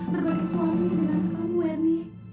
berbagi suami dengan kamu ernie